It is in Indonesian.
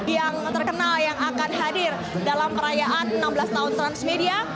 yang terkenal yang akan hadir dalam perayaan enam belas tahun transmedia